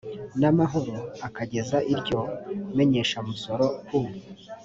n amahoro akageza iryo menyeshamusoro ku